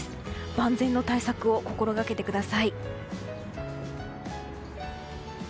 万全の対策を心掛けてください。